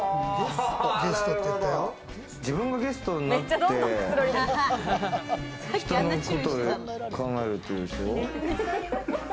自分がゲストになって、人のことを考えるでしょ？